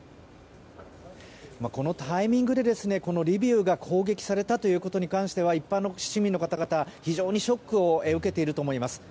このタイミングでリビウが攻撃されたということに関しては一般の市民の方々非常にショックを受けていると思います。